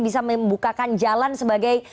bisa membukakan jalan sebagai